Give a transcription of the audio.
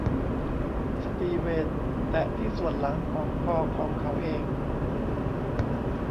สตีเวนแตะที่ส่วนหลังของคอของเขาเอง